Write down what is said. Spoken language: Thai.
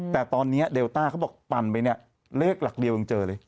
แต่ตอนนี้เดลต้าเขาบอกปั่นไปเนี่ยเลขหลักเดียวยังเจอเลย